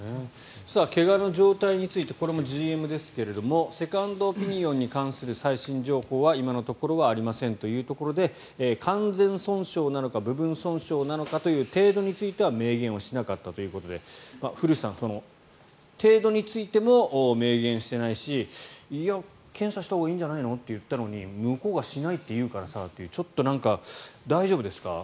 怪我の状態についてこれもＧＭですがセカンドオピニオンに関する最新情報は今のところはありませんというところで完全損傷なのか部分損傷なのかという程度については明言しなかったということで古内さん、程度についても明言してないし検査したほうがいいんじゃないのって言ったのに向こうが、しないって言うからさっていうちょっと大丈夫ですか？